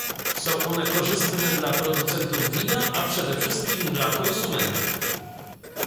Są one korzystne dla producentów wina, a przede wszystkim dla konsumentów